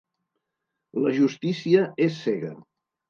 La justícia és cega.